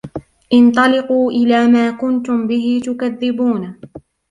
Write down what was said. انْطَلِقُوا إِلَى مَا كُنْتُمْ بِهِ تُكَذِّبُونَ